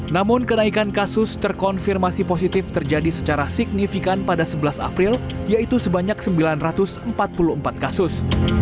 namun kenaikan kasus terkonfirmasi positif terjadi secara signifikan pada sebelas april yaitu sebanyak sembilan ratus empat puluh empat kasus